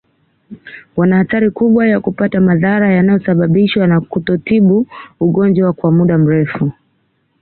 Wana hatari kubwa ya kupata madhara yanayosababishwa na kutotibu ugonjwa kwa muda mrefu